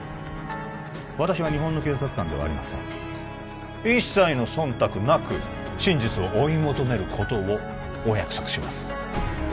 私は日本の警察官ではありません一切の忖度なく真実を追い求めることをお約束します